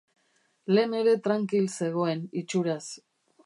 Lehen ere trankil zegoen, itxuraz.